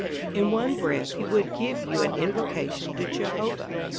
In one breath he would give you an invocation to Jehovah.